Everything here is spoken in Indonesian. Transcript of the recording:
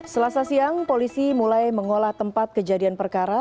selasa siang polisi mulai mengolah tempat kejadian perkara